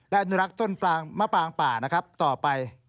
และอนุรักษ์ต้นมะปางป่าต่อไป